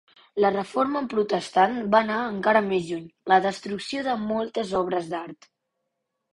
La Reforma protestant va anar encara més lluny, la destrucció de moltes obres d'art.